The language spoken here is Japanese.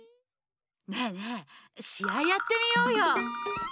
ねえねえしあいやってみようよ！